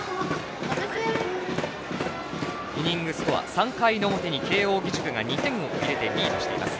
イニングスコア、３回表に慶応義塾が２点を入れてリードしています。